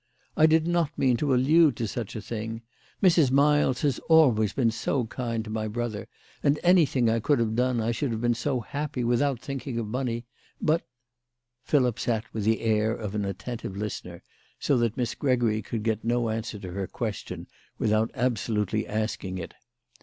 " I did not mean to allude to such a thing. Mrs. Miles has always been so kind to my brother, and anything I could have done I should have been so happy, without thinking of money. But " Philip sat with the air of an attentive listener, so that Miss Gregory could get no answer to her question without absolutely asking it.